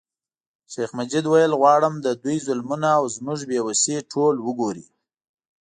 شیخ مجید ویل غواړم د دوی ظلمونه او زموږ بې وسي ټول وګوري.